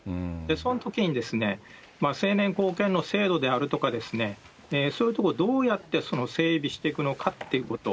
そのときに成年後見の制度であるとか、そういうところをどうやって整備していくのかっていうこと。